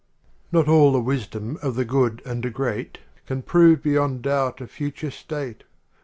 XXVI Not all the wisdom of the good and great Can prove beyond doubt a future state.